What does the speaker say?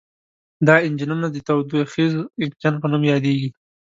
دا انجنونه د تودوخیز انجن په نوم یادیږي.